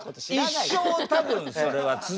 一生多分それは続くよ。